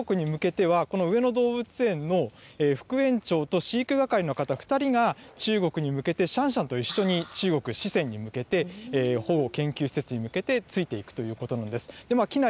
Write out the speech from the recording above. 実際にこのあと中国に向けては、この上野動物園の副園長と飼育係の方、２人が中国に向けて、シャンシャンと一緒に中国・四川に向けて、保護研究施設に向けてついていくということなんです。